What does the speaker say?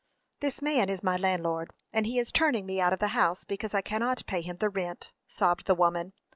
"This man is my landlord, and he is turning me out of the house because I cannot pay him the rent," sobbed the woman.